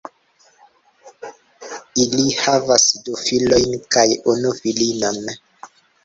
Ili havas du filojn kaj unu filinon.